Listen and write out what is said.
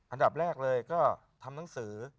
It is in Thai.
อันดับแรกเลยก็ทำหนังสือ